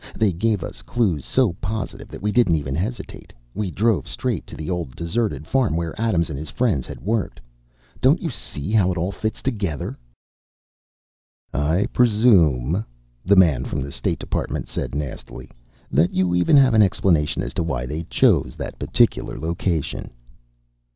They gave us clues so positive that we didn't even hesitate we drove straight to the old deserted farm where Adams and his friends had worked. Don't you see how it all fits together?" "I presume," the man from the state department said nastily, "that you even have an explanation as to why they chose that particular location."